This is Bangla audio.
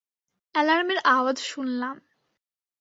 অ্যালার্মের আওয়াজ শুনলাম।